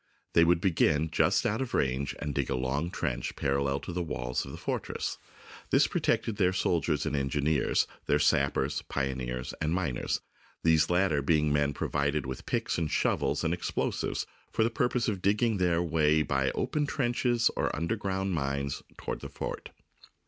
They would begin just out of range and dig a long trench, parallel to the walls of the fortress. This protected their soldiers and engineers, their sappers, pioneers, and miners, these latter being the men provided with picks and shovels and explosives for the pur pose of digging their way by open trenches or underground mines toward the fort.